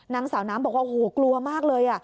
นางสาวน้ำบอกว่าโอ้โหกลัวมากเลย